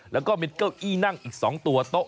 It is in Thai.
แล้วก็มีเก้าอี้นั่งอีก๒ตัวโต๊ะ